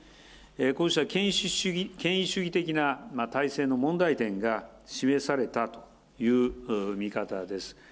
こうした権威主義的な体制の問題点が示されたという見方です。